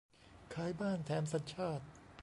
ขายบ้านแถมสัญชาติ